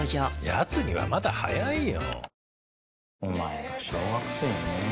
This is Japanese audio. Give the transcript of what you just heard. やつにはまだ早いよ。